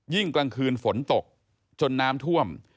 กลางคืนฝนตกจนน้ำท่วม